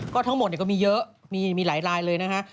ก็ทั้งหมดก็มีเยอะมีหลายลายเลยนะฮะ